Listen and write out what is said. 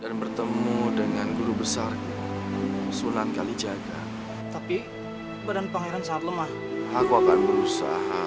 dan bertemu dengan guru besar sunan kalijaga tapi badan pangeran saat lemah aku akan berusaha